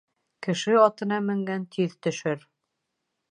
Кеше атына менгән тиҙ төшөр.